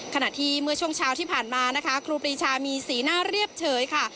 ขณะที่เมื่อช่วงเช้าที่ผ่านมานะคะครูปรีชามีสีหน้าเรียบเฉยค่ะ